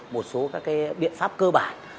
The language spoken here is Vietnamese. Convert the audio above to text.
một số các biện pháp cơ bản